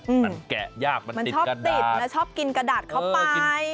มันแกะยากมันติดกระดาษมันชอบติดมันชอบกินกระดาษเข้าไป